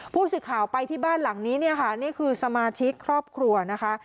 ผู้สื่อข่าวไปที่บ้านหลังนี้เนี่ยค่ะนี่คือสมาชิกครอบครัวนะคะ